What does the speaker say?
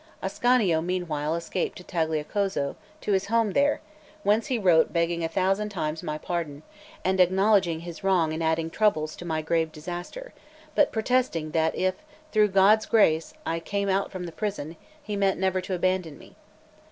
Ascanio meanwhile escaped to Tagliacozzo, to his home there, whence he wrote begging a thousand times my pardon, and acknowledging his wrong in adding troubles to my grave disaster; but protesting that if through God's grace I came out from the prison, he meant never to abandon me.